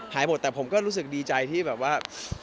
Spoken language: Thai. หายหมดแต่ผมก็รู้สึกดีใจที่แบบว่า